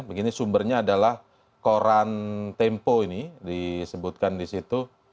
begini sumbernya adalah koran tempo ini disebutkan disitu